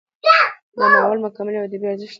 د ناول مکالمې او ادبي ارزښت: